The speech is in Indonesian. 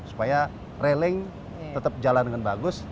supaya railing tetap jalan dengan bagus